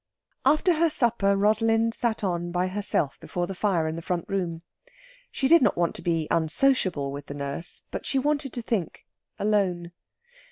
After her supper Rosalind sat on by herself before the fire in the front room. She did not want to be unsociable with the nurse; but she wanted to think, alone.